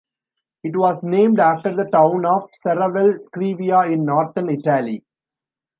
It was named after the town of Serravalle Scrivia in northern Italy.